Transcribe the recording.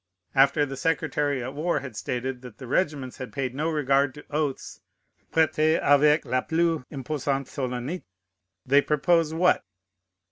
After the secretary at war had stated that the regiments had paid no regard to oaths, prêtés avec la plus imposante solennité, they propose what?